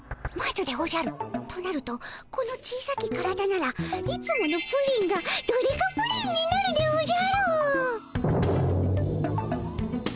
となるとこの小さき体ならいつものプリンがドデカプリンになるでおじゃる。